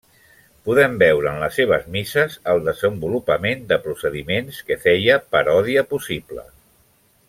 Podem veure en les seves misses el desenvolupament de procediments que feia paròdia possible.